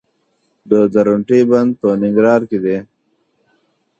د درونټې بند په ننګرهار کې دی